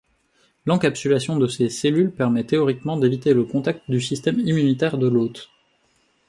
L'encapsulation de ces cellules permet théoriquement d'éviter le contact du système immunitaire de l'hôte.